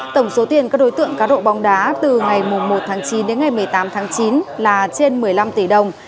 tổng số tiền các đối tượng cá độ bóng đá từ ngày một tháng chín đến ngày một mươi tám tháng chín là trên một mươi năm tỷ đồng